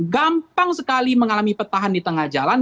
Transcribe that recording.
gampang sekali mengalami petahan di tengah jalan